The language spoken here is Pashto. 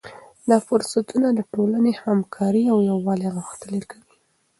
دا فرصتونه د ټولنې همکاري او یووالی غښتلی کوي.